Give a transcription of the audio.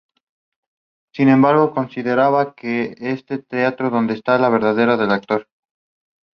Estos versan sobre personajes y tipos populares, costumbres y observaciones morales.